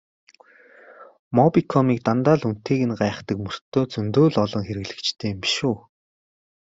Мобикомыг дандаа л үнэтэйг нь гайхдаг мөртөө зөндөө л олон хэрэглэгчтэй юм биш үү?